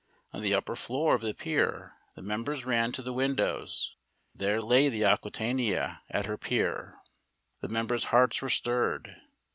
On the upper floor of the pier the members ran to the windows. There lay the Aquitania at her pier. The members' hearts were stirred.